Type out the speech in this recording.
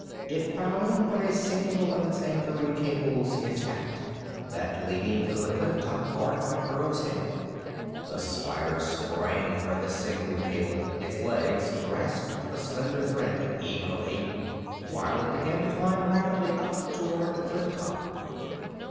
It found but a single of its anchoring cables intact, that leading to the cliff top hard by Burl's head. The spider sprang for this single cable, and its legs grasped the slender thread eagerly while it began to climb rapidly up toward the cliff top.